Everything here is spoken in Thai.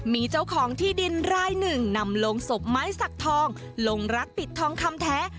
มีเจ้าของที่ดินรายหนึ่งนำลงศพไม้สักทองลงรักปิดทองคำแท้